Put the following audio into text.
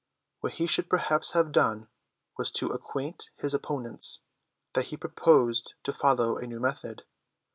What he should perhaps have done was to acquaint his opponents that he proposed to follow a new method.